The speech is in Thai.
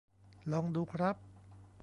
ลองดู ครับ